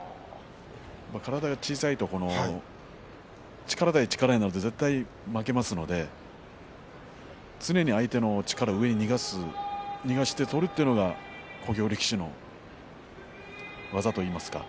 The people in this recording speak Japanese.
体が小さいと力対力になると絶対に負けますので常に相手の力を上に逃がす逃がして取るというのが小兵力士の技といいますか。